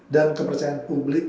dan kepercayaan punggung